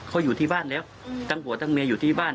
เขาอยู่ที่บ้านแล้วทั้งผัวทั้งเมียอยู่ที่บ้าน